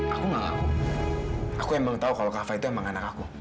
aku gak aku emang tahu kalau kafe itu emang anak aku